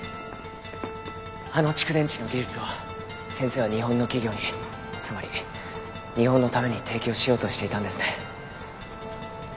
あの蓄電池の技術を先生は日本の企業につまり日本のために提供しようとしていたんですね。